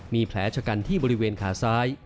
มีแผลชะกันที่บริเวณขาซ้าย